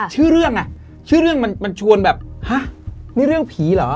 ชื่อเรื่องอ่ะชื่อเรื่องมันมันชวนแบบฮะนี่เรื่องผีเหรอ